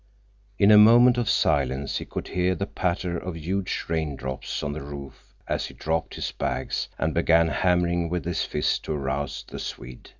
In a moment of silence he could hear the patter of huge raindrops on the roof as he dropped his bags and began hammering with his fist to arouse the Swede.